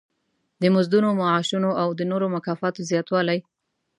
د مزدونو، معاشونو او د نورو مکافاتو زیاتوالی.